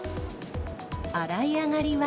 洗い上がりは。